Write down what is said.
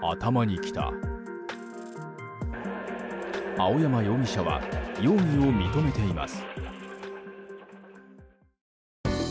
青山容疑者は容疑を認めています。